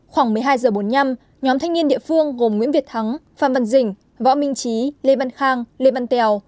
khoảng một mươi hai h bốn mươi năm nhóm thanh niên địa phương gồm nguyễn việt thắng phan văn dỉnh võ minh trí lê văn khang lê văn tèo